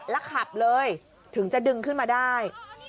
แล้วขับเลยถึงจะดึงขึ้นมาได้